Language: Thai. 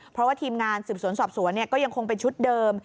เพราะว่าทีมงานสืบสวนสอบสวนก็ยังคงเป็นชุดเดิม